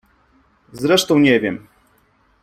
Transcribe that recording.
Zresztą nie wiem.